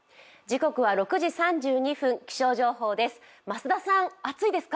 時刻は６時３２分、気象情報です。